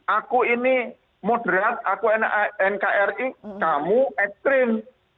aku ini moderat aku nkri kamu ekstrim